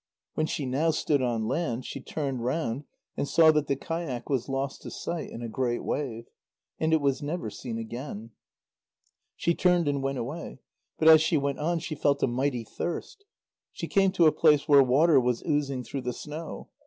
When she now stood on land, she turned round and saw that the kayak was lost to sight in a great wave. And it was never seen again. She turned and went away. But as she went on, she felt a mighty thirst. She came to a place where water was oozing through the snow.